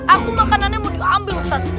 aku makanannya mau diambil satu